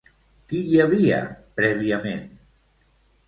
Qui hi havia, prèviament?